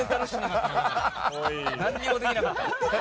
何もできなかった。